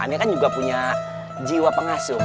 anda kan juga punya jiwa pengasuh